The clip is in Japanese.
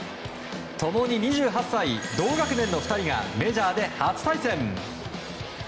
共に２８歳、同学年の２人がメジャーで初対戦。